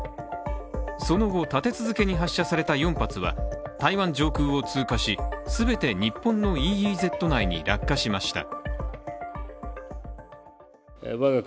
その後、立て続けに発射された４発は台湾上空を通過し全て日本のＥＥＺ内に落下しました。